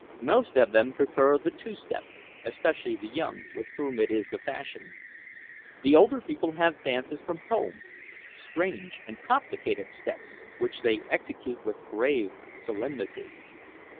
Most of them prefer the "two step," especially the young, with whom it is the fashion. The older people have dances from home, strange and complicated steps which they execute with grave solemnity.